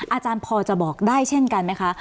อาจารย์พอจะบอกได้เช่นกันไหมคะ